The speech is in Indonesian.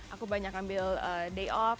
aku banyak ambil day off